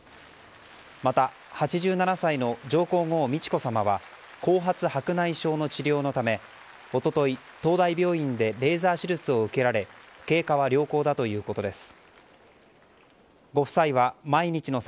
また８７歳の上皇后・美智子さまは後発白内障の治療のため、一昨日東大病院でレーザー手術を受けられ経過は良好だということです。